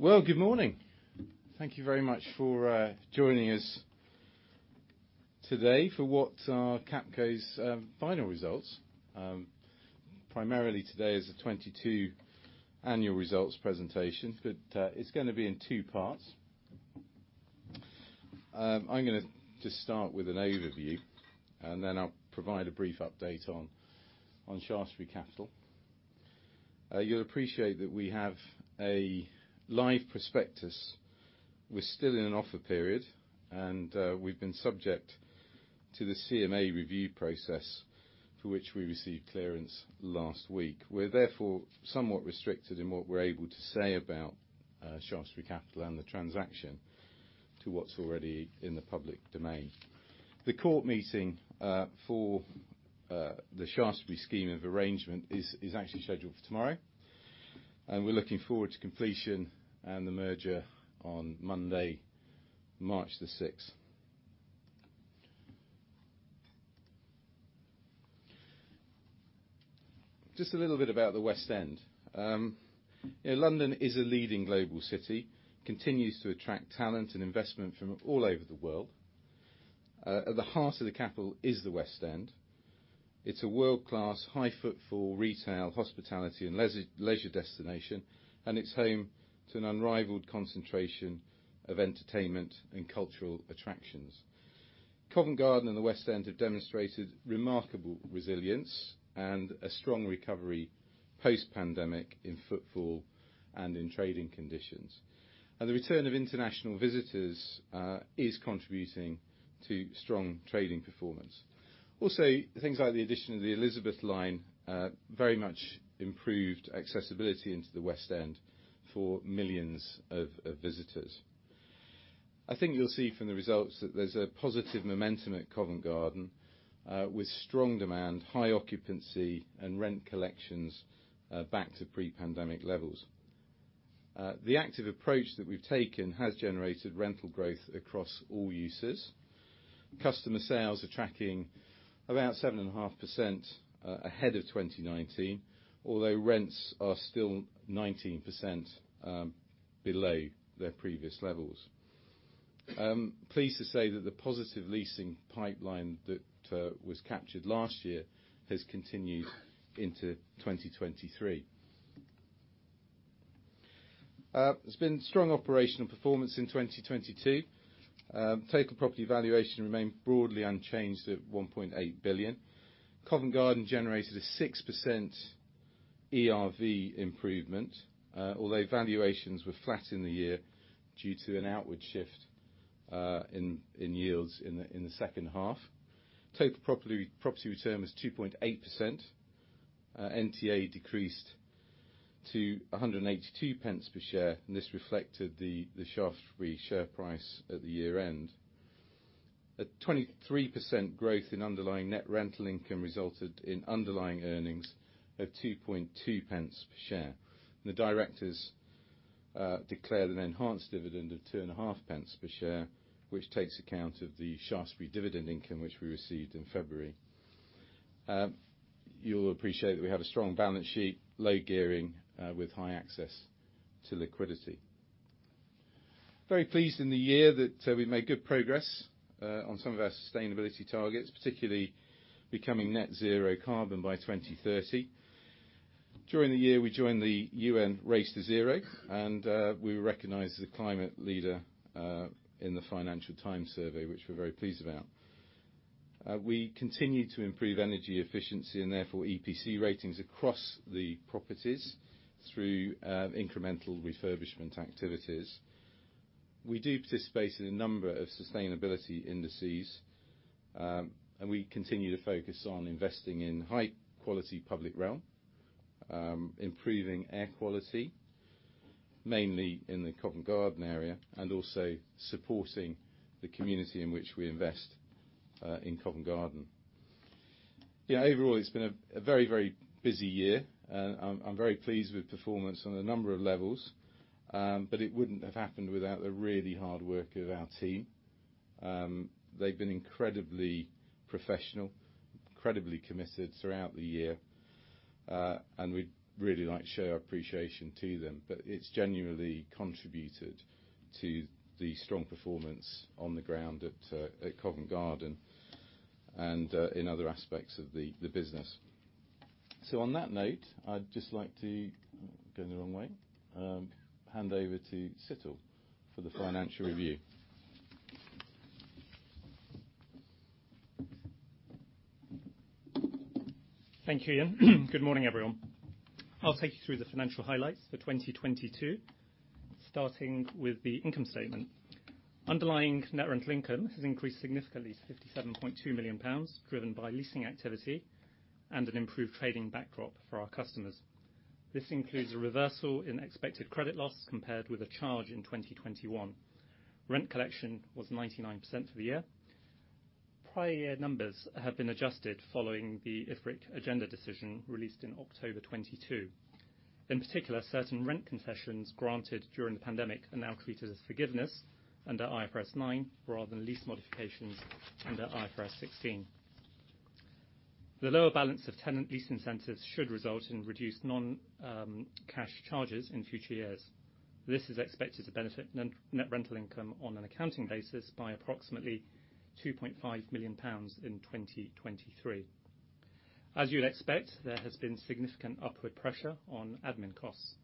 Well, good morning. Thank you very much for joining us today for what are CapCo's final results. Primarily today is the 2022 annual results presentation, but it's gonna be in two parts. I'm gonna just start with an overview, and then I'll provide a brief update on Shaftesbury Capital. You'll appreciate that we have a live prospectus. We're still in an offer period, we've been subject to the CMA review process for which we received clearance last week. We're therefore somewhat restricted in what we're able to say about Shaftesbury Capital and the transaction to what's already in the public domain. The court meeting for the Shaftesbury scheme of arrangement is actually scheduled for tomorrow, and we're looking forward to completion and the merger on Monday, March the sixth. Just a little bit about the West End. You know, London is a leading global city, continues to attract talent and investment from all over the world. At the heart of the capital is the West End. It's a world-class, high footfall retail, hospitality, and leisure destination, and it's home to an unrivaled concentration of entertainment and cultural attractions. Covent Garden and the West End have demonstrated remarkable resilience and a strong recovery post-pandemic in footfall and in trading conditions. The return of international visitors is contributing to strong trading performance. Also, things like the addition of the Elizabeth line, very much improved accessibility into the West End for millions of visitors. I think you'll see from the results that there's a positive momentum at Covent Garden, with strong demand, high occupancy, and rent collections back to pre-pandemic levels. The active approach that we've taken has generated rental growth across all uses. Customer sales are tracking around 7.5% ahead of 2019, although rents are still 19% below their previous levels. Pleased to say that the positive leasing pipeline that was captured last year has continued into 2023. There's been strong operational performance in 2022. Total property valuation remained broadly unchanged at 1.8 billion. Covent Garden generated a 6% ERV improvement, although valuations were flat in the year due to an outward shift in yields in the second half. Total property return was 2.8%. NTA decreased to 1.82 per share, and this reflected the Shaftesbury share price at the year end. At 23% growth in underlying net rental income resulted in underlying earnings of 0.022 per share. The directors declared an enhanced dividend of 0.025 per share, which takes account of the Shaftesbury dividend income which we received in February. You'll appreciate that we have a strong balance sheet, low gearing, with high access to liquidity. Very pleased in the year that we made good progress on some of our sustainability targets, particularly becoming net zero carbon by 2030. During the year, we joined the UN Race to Zero, and we were recognized as a climate leader in the Financial Times survey, which we're very pleased about. We continue to improve energy efficiency and therefore EPC ratings across the properties through incremental refurbishment activities. We do participate in a number of sustainability indices, and we continue to focus on investing in high-quality public realm, improving air quality, mainly in the Covent Garden area, and also supporting the community in which we invest in Covent Garden. You know, overall, it's been a very, very busy year, and I'm very pleased with performance on a number of levels, it wouldn't have happened without the really hard work of our team. They've been incredibly professional, incredibly committed throughout the year, we'd really like to show our appreciation to them. It's genuinely contributed to the strong performance on the ground at Covent Garden and in other aspects of the business. On that note, I'd just like to... Going the wrong way. Hand over to Situl for the financial review. Thank you, Ian. Good morning, everyone. I'll take you through the financial highlights for 2022, starting with the income statement. Underlying net rent income has increased significantly to 57.2 million pounds, driven by leasing activity and an improved trading backdrop for our customers. This includes a reversal in expected credit loss compared with a charge in 2021. Rent collection was 99% for the year. Prior year numbers have been adjusted following the IFRIC agenda decision released in October 2022. In particular, certain rent concessions granted during the pandemic are now treated as forgiveness under IFRS 9 rather than lease modifications under IFRS 16. The lower balance of tenant lease incentives should result in reduced non-cash charges in future years. This is expected to benefit net rental income on an accounting basis by approximately 2.5 million pounds in 2023. As you'll expect, there has been significant upward pressure on admin costs.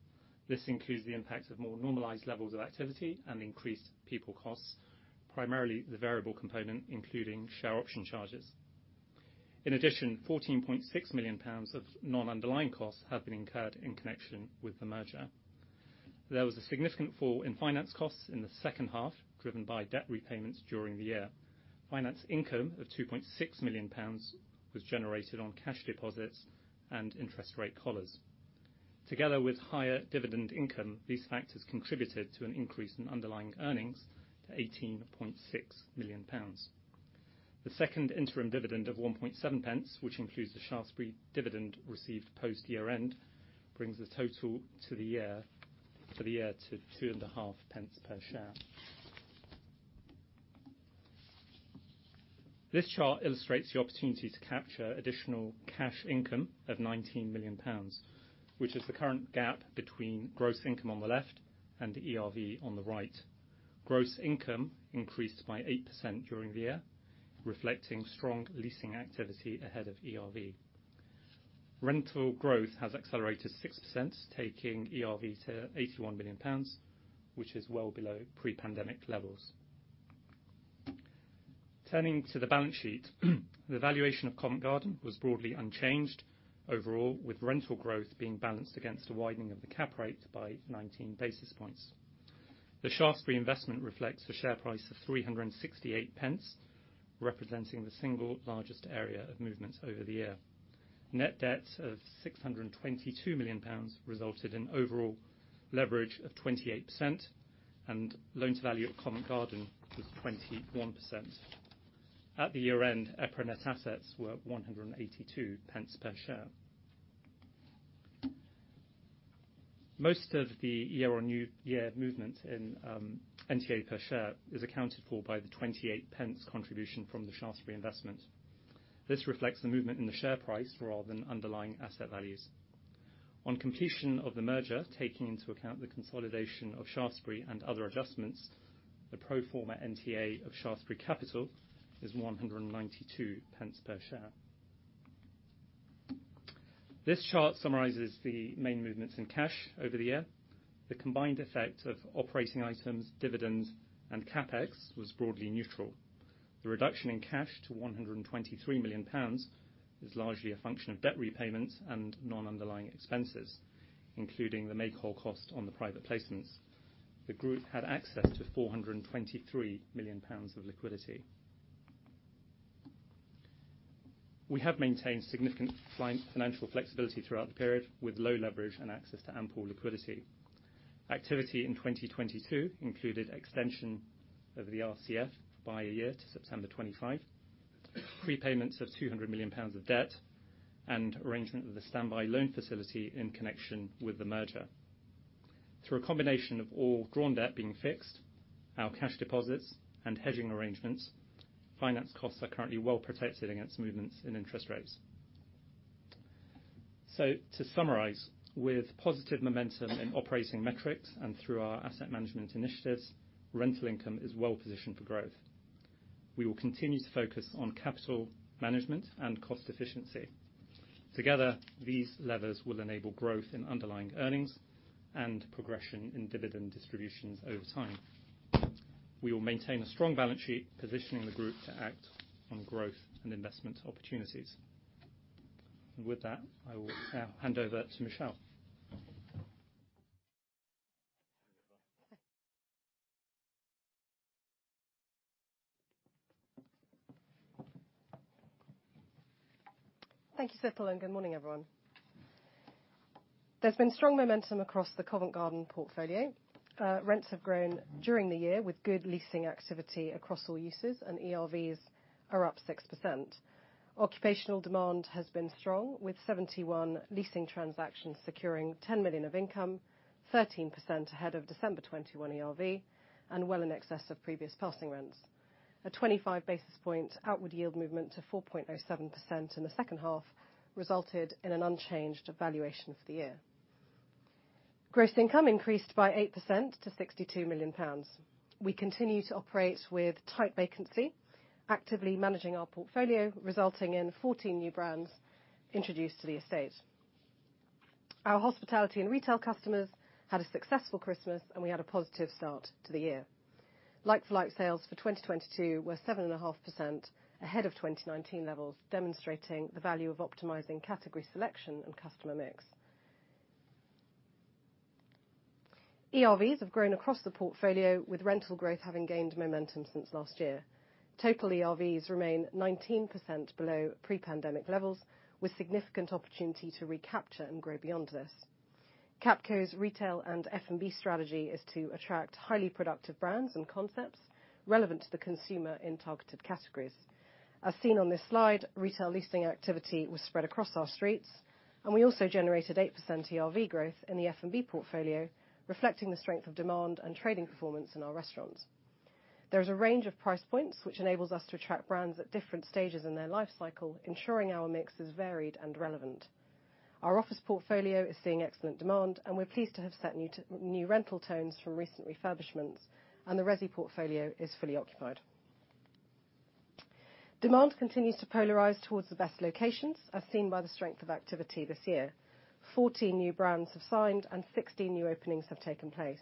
This includes the impact of more normalized levels of activity and increased people costs, primarily the variable component, including share option charges. In addition, 14.6 million pounds of non-underlying costs have been incurred in connection with the merger. There was a significant fall in finance costs in the second half, driven by debt repayments during the year. Finance income of 2.6 million pounds was generated on cash deposits and interest rate collars. Together with higher dividend income, these factors contributed to an increase in underlying earnings to GBP 18.6 million. The second interim dividend of 0.017, which includes the Shaftesbury dividend received post-year-end, brings the total for the year to two and a half pence per share. This chart illustrates the opportunity to capture additional cash income of 19 million pounds, which is the current gap between gross income on the left and the ERV on the right. Gross income increased by 8% during the year, reflecting strong leasing activity ahead of ERV. Rental growth has accelerated 6%, taking ERV to 81 million pounds, which is well below pre-pandemic levels. Turning to the balance sheet, the valuation of Covent Garden was broadly unchanged overall, with rental growth being balanced against a widening of the cap rate by 19 basis points. The Shaftesbury investment reflects the share price of 3.68, representing the single largest area of movements over the year. Net debt of 622 million pounds resulted in overall leverage of 28%, and loans value at Covent Garden was 21%. At the year-end, EPRA net assets were 182 pence per share. Most of the year on new year movement in NTA per share is accounted for by the 28 pence contribution from the Shaftesbury investment. This reflects the movement in the share price rather than underlying asset values. On completion of the merger, taking into account the consolidation of Shaftesbury and other adjustments, the pro forma NTA of Shaftesbury Capital is 192 pence per share. This chart summarizes the main movements in cash over the year. The combined effect of operating items, dividends, and CapEx was broadly neutral. The reduction in cash to 123 million pounds is largely a function of debt repayments and non-underlying expenses, including the make whole cost on the private placements. The group had access to 423 million pounds of liquidity. We have maintained significant client financial flexibility throughout the period with low leverage and access to ample liquidity. Activity in 2022 included extension of the RCF by one year to September 2025, prepayments of 200 million pounds of debt, and arrangement of the standby loan facility in connection with the merger. Through a combination of all drawn debt being fixed, our cash deposits and hedging arrangements, finance costs are currently well protected against movements in interest rates. To summarize, with positive momentum in operating metrics and through our asset management initiatives, rental income is well positioned for growth. We will continue to focus on capital management and cost efficiency. Together, these levers will enable growth in underlying earnings and progression in dividend distributions over time. We will maintain a strong balance sheet, positioning the group to act on growth and investment opportunities. With that, I will now hand over to Michelle. Thank you, Situl. Good morning, everyone. There's been strong momentum across the Covent Garden portfolio. Rents have grown during the year with good leasing activity across all uses, and ERVs are up 6%. Occupational demand has been strong, with 71 leasing transactions securing 10 million of income, 13% ahead of December 2021 ERV and well in excess of previous passing rents. A 25 basis point outward yield movement to 4.07% in the second half resulted in an unchanged valuation for the year. Gross income increased by 8% to 62 million pounds. We continue to operate with tight vacancy, actively managing our portfolio, resulting in 14 new brands introduced to the estate. Our hospitality and retail customers had a successful Christmas. We had a positive start to the year. Like for like sales for 2022 were 7.5% ahead of 2019 levels, demonstrating the value of optimizing category selection and customer mix. ERVs have grown across the portfolio, with rental growth having gained momentum since last year. Total ERVs remain 19% below pre-pandemic levels, with significant opportunity to recapture and grow beyond this. CapCo's retail and F&B strategy is to attract highly productive brands and concepts relevant to the consumer in targeted categories. As seen on this slide, retail leasing activity was spread across our streets, and we also generated 8% ERV growth in the F&B portfolio, reflecting the strength of demand and trading performance in our restaurants. There's a range of price points which enables us to attract brands at different stages in their life cycle, ensuring our mix is varied and relevant. Our office portfolio is seeing excellent demand, and we're pleased to have set new rental tones from recent refurbishments, and the resi portfolio is fully occupied. Demand continues to polarize towards the best locations, as seen by the strength of activity this year. 40 new brands have signed and 60 new openings have taken place.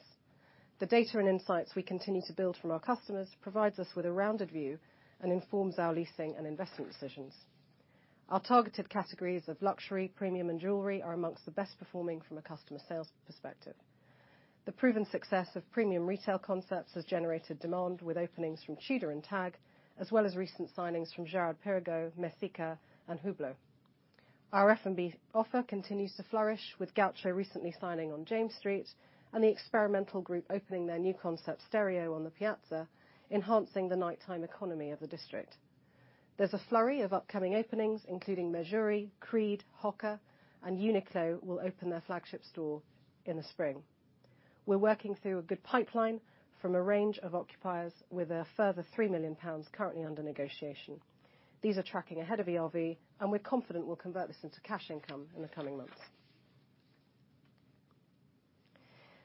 The data and insights we continue to build from our customers provides us with a rounded view and informs our leasing and investment decisions. Our targeted categories of luxury, premium, and jewelry are among the best performing from a customer sales perspective. The proven success of premium retail concepts has generated demand with openings from Tudor and Tag, as well as recent signings from Girard-Perregaux, Messika, and Hublot. Our F&B offer continues to flourish with Gaucho recently signing on James Street and the Experimental Group opening their new concept Stereo on the Piazza, enhancing the nighttime economy of the district. There's a flurry of upcoming openings, including Mejuri, Creed, Hoka, and Uniqlo will open their flagship store in the spring. We're working through a good pipeline from a range of occupiers with a further 3 million pounds currently under negotiation. These are tracking ahead of ERV, and we're confident we'll convert this into cash income in the coming months.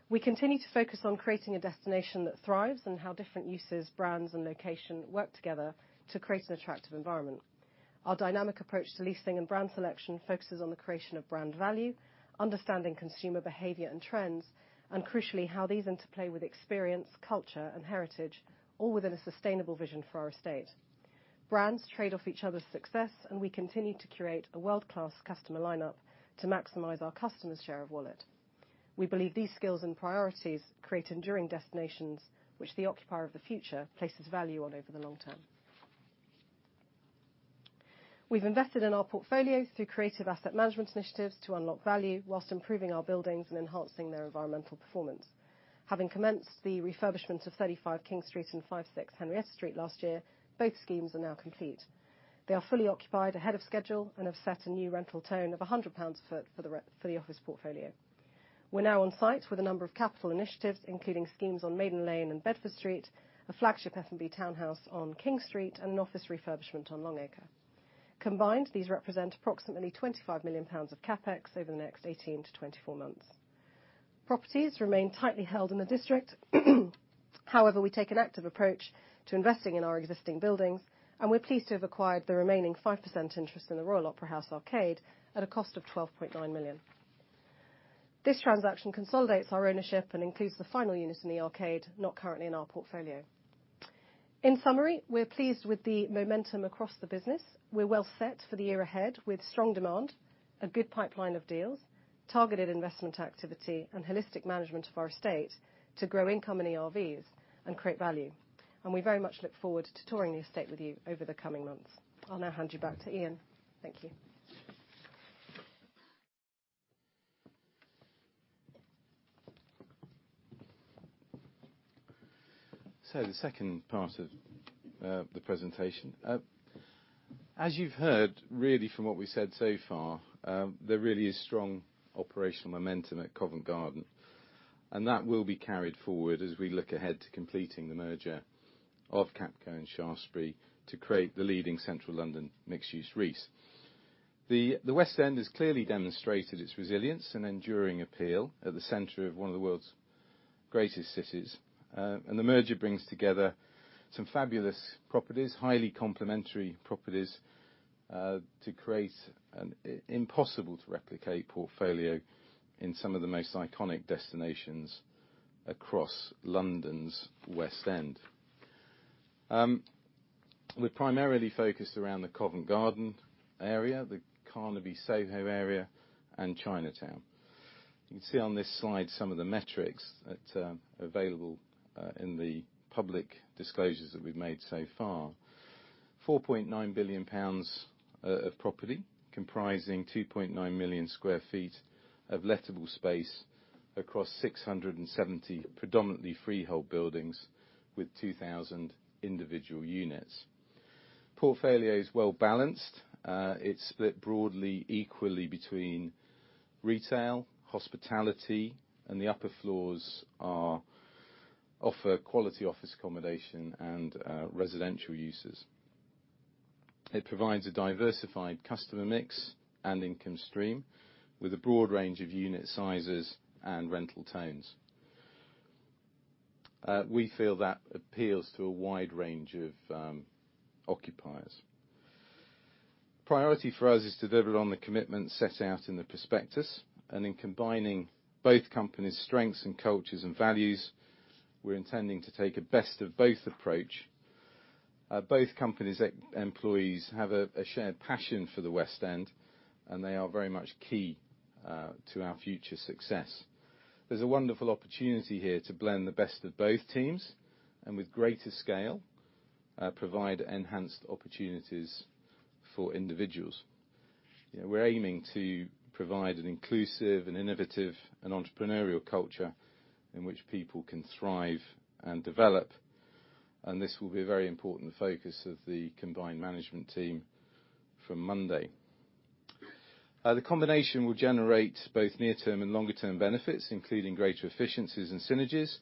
We continue to focus on creating a destination that thrives and how different uses, brands, and location work together to create an attractive environment. Our dynamic approach to leasing and brand selection focuses on the creation of brand value, understanding consumer behavior and trends, and crucially, how these interplay with experience, culture, and heritage, all within a sustainable vision for our estate. Brands trade off each other's success. We continue to curate a world-class customer lineup to maximize our customers' share of wallet. We believe these skills and priorities create enduring destinations which the occupier of the future places value on over the long term. We've invested in our portfolio through creative asset management initiatives to unlock value whilst improving our buildings and enhancing their environmental performance. Having commenced the refurbishment of 35 King Street and 5/6 Henrietta Street last year, both schemes are now complete. They are fully occupied ahead of schedule and have set a new rental tone of 100 pounds a foot for the office portfolio. We're now on site with a number of capital initiatives, including schemes on Maiden Lane and Bedford Street, a flagship F&B townhouse on King Street, and an office refurbishment on Long Acre. Combined, these represent approximately 25 million pounds of CapEx over the next 18-24 months. Properties remain tightly held in the district. However, we take an active approach to investing in our existing buildings, and we're pleased to have acquired the remaining 5% interest in the Royal Opera House Arcade at a cost of 12.9 million. This transaction consolidates our ownership and includes the final unit in the arcade, not currently in our portfolio. In summary, we're pleased with the momentum across the business. We're well set for the year ahead with strong demand, a good pipeline of deals, targeted investment activity, and holistic management of our estate to grow income and ERVs and create value. We very much look forward to touring the estate with you over the coming months. I'll now hand you back to Ian. Thank you. The second part of the presentation. As you've heard, really from what we've said so far, there really is strong operational momentum at Covent Garden, and that will be carried forward as we look ahead to completing the merger of CapCo and Shaftesbury to create the leading Central London mixed-use REIT. The West End has clearly demonstrated its resilience and enduring appeal at the center of one of the world's greatest cities. The merger brings together some fabulous properties, highly complementary properties, to create an impossible-to-replicate portfolio in some of the most iconic destinations across London's West End. We're primarily focused around the Covent Garden area, the Carnaby, Soho area, and Chinatown. You can see on this slide some of the metrics that are available in the public disclosures that we've made so far. 4.9 billion pounds of property comprising 2.9 million sq ft of lettable space across 670 predominantly freehold buildings with 2,000 individual units. Portfolio is well-balanced. It's split broadly equally between retail, hospitality, and the upper floors offer quality office accommodation and residential uses. It provides a diversified customer mix and income stream with a broad range of unit sizes and rental tones. We feel that appeals to a wide range of occupiers. Priority for us is to deliver on the commitments set out in the prospectus. In combining both companies' strengths and cultures and values, we're intending to take a best-of-both approach. Both companies' e-employees have a shared passion for the West End. They are very much key to our future success. There's a wonderful opportunity here to blend the best of both teams and, with greater scale, provide enhanced opportunities for individuals. You know, we're aiming to provide an inclusive and innovative and entrepreneurial culture in which people can thrive and develop. This will be a very important focus of the combined management team from Monday. The combination will generate both near-term and longer-term benefits, including greater efficiencies and synergies,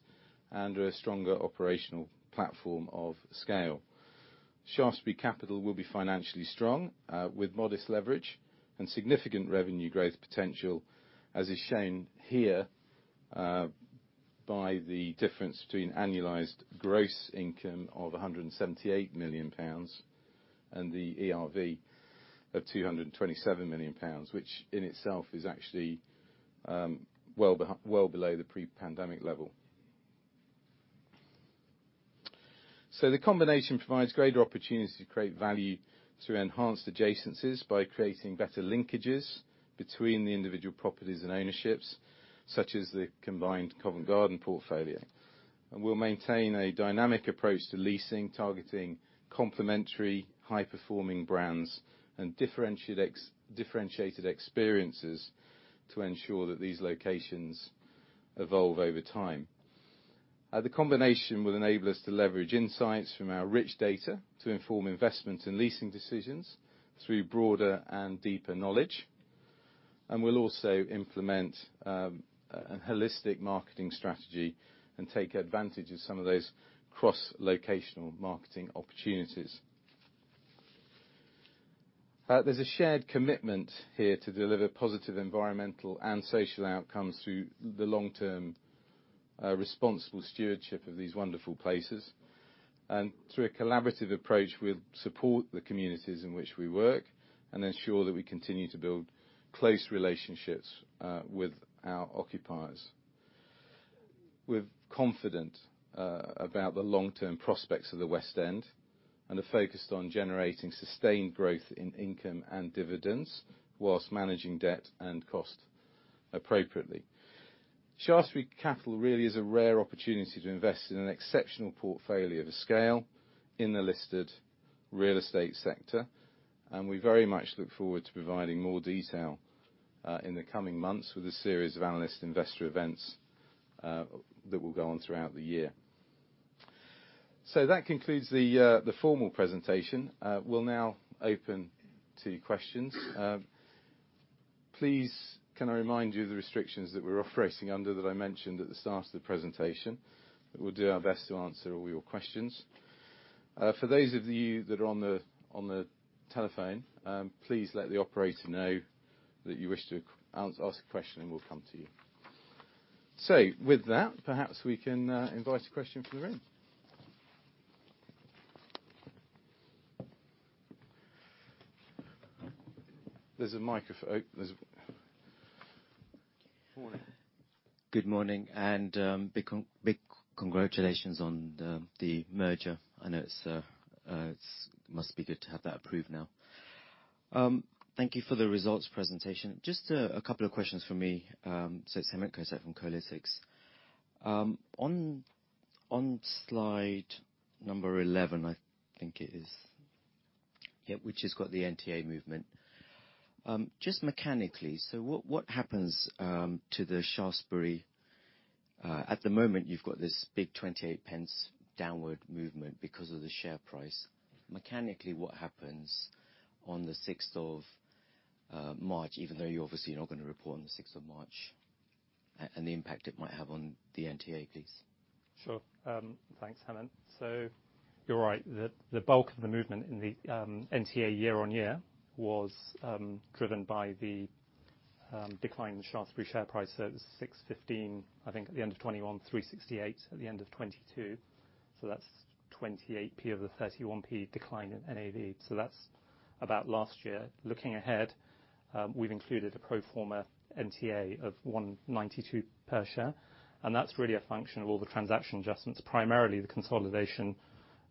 and a stronger operational platform of scale. Shaftesbury Capital will be financially strong, with modest leverage and significant revenue growth potential, as is shown here by the difference between annualized gross income of 178 million pounds and the ERV of 227 million pounds, which in itself is actually well below the pre-pandemic level. The combination provides greater opportunity to create value through enhanced adjacencies by creating better linkages between the individual properties and ownerships, such as the combined Covent Garden portfolio. We'll maintain a dynamic approach to leasing, targeting complementary high-performing brands and differentiated experiences to ensure that these locations evolve over time. The combination will enable us to leverage insights from our rich data to inform investment and leasing decisions through broader and deeper knowledge. We'll also implement a holistic marketing strategy and take advantage of some of those cross-locational marketing opportunities. There's a shared commitment here to deliver positive environmental and social outcomes through the long-term responsible stewardship of these wonderful places. Through a collaborative approach, we'll support the communities in which we work and ensure that we continue to build close relationships with our occupiers. We're confident about the long-term prospects of the West End and are focused on generating sustained growth in income and dividends while managing debt and cost appropriately. Shaftesbury Capital really is a rare opportunity to invest in an exceptional portfolio of scale in the listed real estate sector, and we very much look forward to providing more detail in the coming months with a series of analyst investor events that will go on throughout the year. That concludes the formal presentation. We'll now open to questions. Please can I remind you of the restrictions that we're operating under that I mentioned at the start of the presentation. We'll do our best to answer all your questions. For those of you that are on the telephone, please let the operator know that you wish to ask a question and we'll come to you. With that, perhaps we can invite a question from the room. There's a microphone. There's... Good morning, and big congratulations on the merger. I know it's must be good to have that approved now. Thank you for the results presentation. Just a couple of questions from me. It's Hemant Kotecha from Cowen Analytics. On slide number 11, I think it is, yeah, which has got the NTA movement. Just mechanically, what happens to the Shaftesbury? At the moment you've got this big 28 pence downward movement because of the share price. Mechanically, what happens on the 6th of March, even though you obviously are not gonna report on the 6th of March, and the impact it might have on the NTA, please? Sure. Thanks, Hemant. You're right. The bulk of the movement in the NTA year on year was driven by the decline in the Shaftesbury share price. It was 615p, I think, at the end of 2021, 368p at the end of 2022. That's 28p of the 31p decline in NAV. That's about last year. Looking ahead, we've included a pro forma NTA of 192p per share, and that's really a function of all the transaction adjustments, primarily the consolidation of the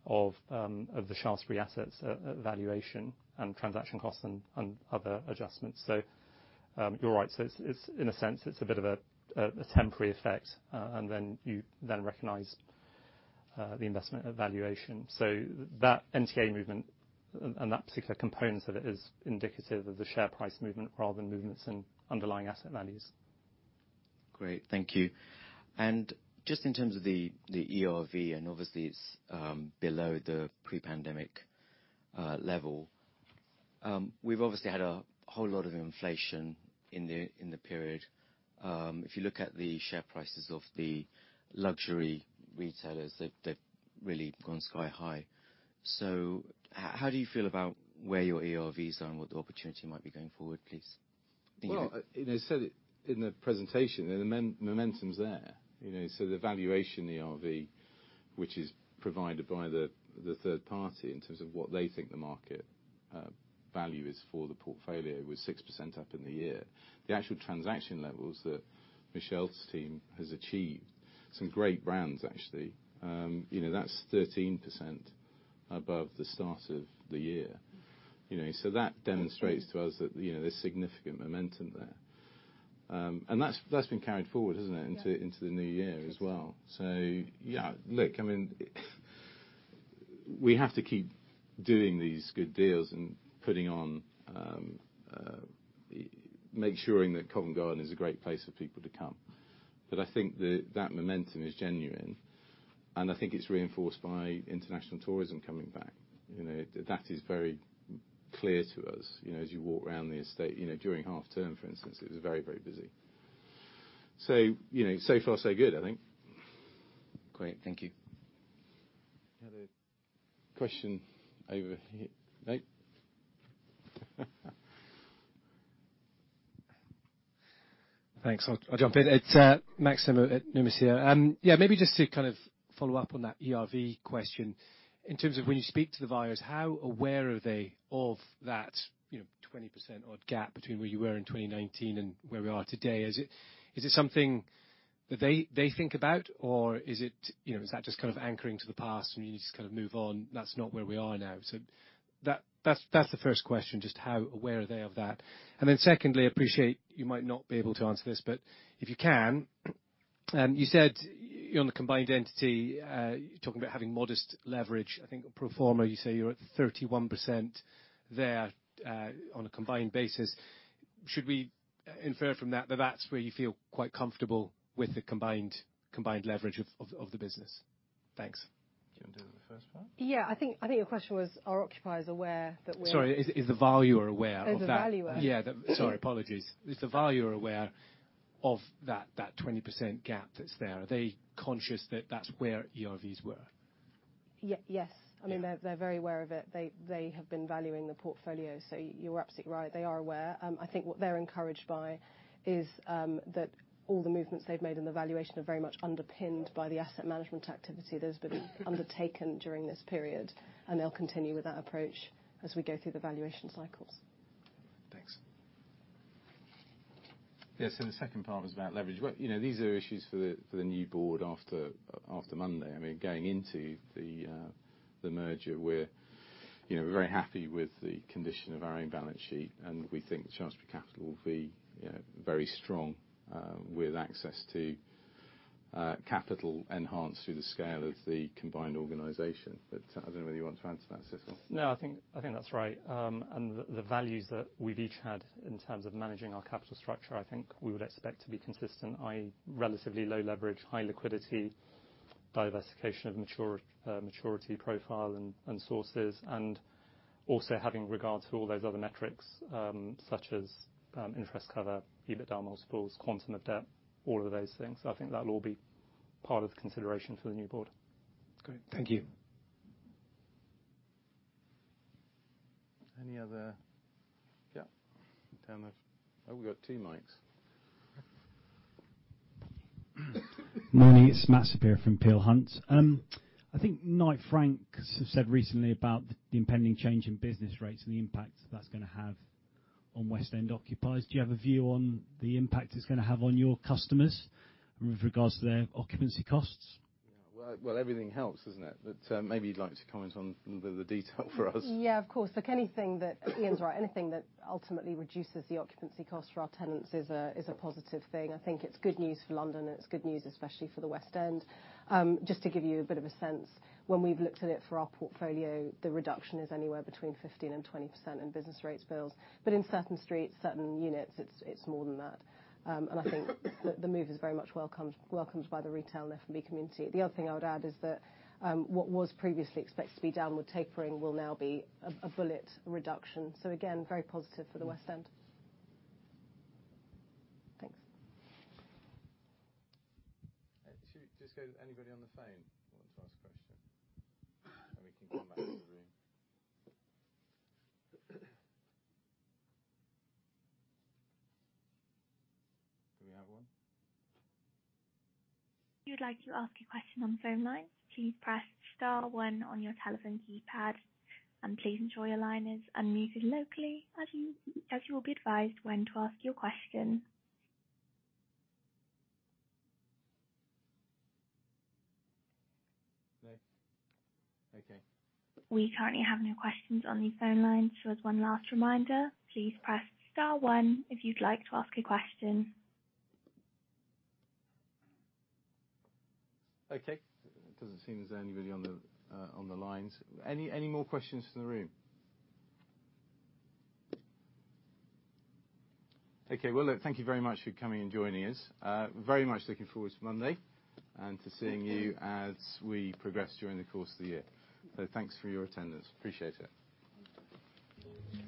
Shaftesbury assets, valuation and transaction costs and other adjustments. You're right. It's, in a sense, it's a bit of a temporary effect, and then you then recognize the investment valuation. That NTA movement and that particular component of it is indicative of the share price movement rather than movements in underlying asset values. Great. Thank you. Just in terms of the ERV, and obviously it's below the pre-pandemic level, we've obviously had a whole lot of inflation in the period. If you look at the share prices of the luxury retailers, they've really gone sky high. How do you feel about where your ERVs are and what the opportunity might be going forward, please? Well, you know, I said it in the presentation, the momentum's there. You know, the valuation ERV, which is provided by the third party in terms of what they think the market value is for the portfolio was 6% up in the year. The actual transaction levels that Michelle's team has achieved, some great brands actually, you know, that's 13% above the start of the year. You know, that demonstrates to us that, you know, there's significant momentum there. That's been carried forward, isn't it. Yeah. Into the new year as well. Yeah, look, I mean, we have to keep doing these good deals and putting on, making sure that Covent Garden is a great place for people to come. I think that momentum is genuine. And I think it's reinforced by international tourism coming back. You know, that is very clear to us. You know, as you walk around the estate, you know, during half term, for instance, it was very, very busy. You know, so far, so good, I think. Great. Thank you. We have a question over here. Right. Thanks. I'll jump in. It's Max Nimmo at Numis, here. Maybe just to kind of follow up on that ERV question. In terms of when you speak to the buyers, how aware are they of that, you know, 20% odd gap between where you were in 2019 and where we are today? Is it something that they think about, or is it, you know, is that just kind of anchoring to the past and you just kind of move on? That's not where we are now. That's the first question, just how aware are they of that. Secondly, appreciate you might not be able to answer this, but if you can, you said on the combined entity, you're talking about having modest leverage. I think pro forma, you say you're at 31% there, on a combined basis. Should we infer from that that's where you feel quite comfortable with the combined leverage of the business? Thanks. Do you wanna do the first one? Yeah. I think your question was, are occupiers aware that we're-. Sorry, is the valuer aware of that? Is the valuer-. Yeah. Sorry, apologies. Is the valuer aware of that 20% gap that's there? Are they conscious that that's where ERVs were? Ye-yes. Yeah. I mean, they're very aware of it. They have been valuing the portfolio. You're absolutely right. They are aware. I think what they're encouraged by is that all the movements they've made in the valuation are very much underpinned by the asset management activity that has been undertaken during this period, and they'll continue with that approach as we go through the valuation cycles. Thanks. Yes, the second part was about leverage. Well, you know, these are issues for the new board after Monday. I mean, going into the merger, we're, you know, very happy with the condition of our own balance sheet, and we think Shaftesbury Capital will be, you know, very strong, with access to capital enhanced through the scale of the combined organization. I don't know whether you want to answer that, Situl. I think that's right. The values that we've each had in terms of managing our capital structure, I think we would expect to be consistent. I.e., relatively low leverage, high liquidity, diversification of mature maturity profile and sources, and also having regard to all those other metrics, such as interest cover, EBITDA multiples, quantum of debt, all of those things. I think that'll all be part of the consideration for the new board. Great. Thank you. Any other... Yeah. Down the... Oh, we've got two mics. Morning. It's Matthew Saperia from Peel Hunt. I think Knight Frank said recently about the impending change in business rates and the impact that's gonna have on West End occupiers. Do you have a view on the impact it's gonna have on your customers with regards to their occupancy costs? Well, everything helps, isn't it? Maybe you'd like to comment on the detail for us. Of course. Look, Ian's right. Anything that ultimately reduces the occupancy cost for our tenants is a positive thing. I think it's good news for London, and it's good news, especially for the West End. Just to give you a bit of a sense, when we've looked at it for our portfolio, the reduction is anywhere between 15% and 20% in business rates bills. In certain streets, certain units, it's more than that. I think the move is very much welcomed by the retail and F&B community. The other thing I would add is that what was previously expected to be downward tapering will now be a bullet reduction. Again, very positive for the West End. Thanks. Should we just go to anybody on the phone who want to ask a question? We can come back to the room. Do we have one? If you'd like to ask a question on the phone line, please press star one on your telephone keypad. Please ensure your line is unmuted locally as you will be advised when to ask your question. No? Okay. We currently have no questions on the phone line. As one last reminder, please press star one if you'd like to ask a question. Okay. It doesn't seem there's anybody on the lines. Any more questions from the room? Okay. Well, look, thank you very much for coming and joining us. Very much looking forward to Monday and to seeing you-. Thank you. As we progress during the course of the year. Thanks for your attendance. Appreciate it. Thank you.